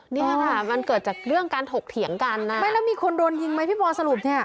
เนี่ยค่ะมันเกิดจากเรื่องการถกเถียงกันนะไม่แล้วมีคนโดนยิงไหมพี่บอลสรุปเนี่ย